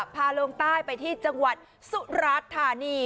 ลงใต้ไปที่จังหวัดสุราธานี